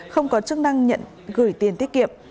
không có chức năng nhận gửi tiền tiết kiệm